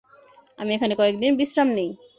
আমি এখানে কয়েকদিন বিশ্রাম নেই।